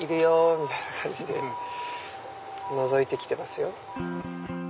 みたいな感じでのぞいて来てますよ。